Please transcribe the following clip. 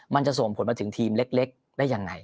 มันจะส่งผลมาถึงทีมเล็กได้ยังไง